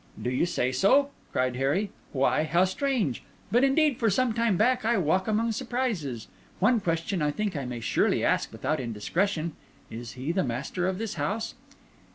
"Do you say so?" cried Harry. "Why, how strange! But indeed for some time back I walk among surprises. One question I think I may surely ask without indiscretion: Is he the master of this house?"